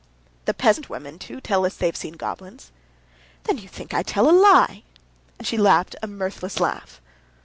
"The peasant women too tell us they have seen goblins." "Then you think I tell a lie?" And she laughed a mirthless laugh.